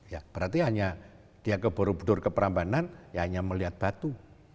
ya berarti hanya dia ke borobudur ke prambanan ya hanya melihat batu